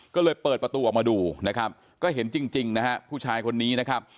ก็เลยเปิดประตูออกมาดูนะครับก็เห็นจริงนะฮะผู้ชายคนนี้นะครับ